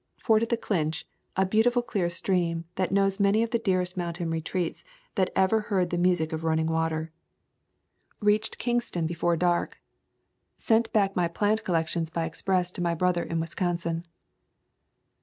Forded the Clinch, a beautiful clear stream, that knows many of the dearest mountain retreats that ever heard the [ 31 ] A Thousand Mile Walk music of running water. Reached Kingston before dark. Sent back my plant collections by express to my brother in Wisconsin.